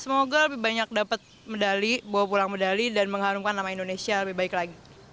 mas pertama indonesia